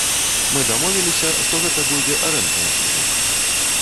Мы дамовіліся, што гэта будзе арэнднае жыллё.